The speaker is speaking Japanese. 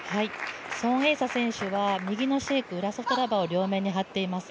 孫エイ莎選手は右のシェイク、裏ソフトラバー両面に貼っています。